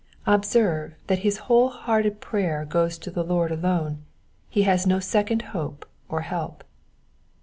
Observe, that his whole hearted prayer goes to the Lord alone ; he has no second hope or help.